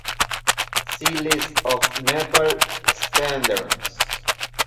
See List of Nepal Standards.